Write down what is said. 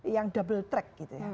yang double track gitu ya